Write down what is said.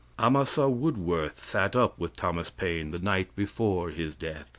Amasa Woodsworth sat up with Thomas Paine the night before his death.